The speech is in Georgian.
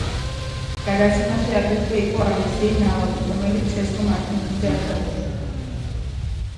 გადაცემაში აგრეთვე იყო ალექსეი ნავალნი, რომელიც ცესკომ არჩევნებზე არ დაუშვა.